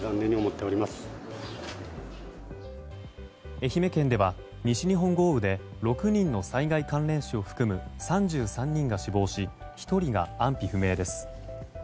愛媛県では西日本豪雨で６人の災害関連死を含む３３人が死亡し１人が安否不明です。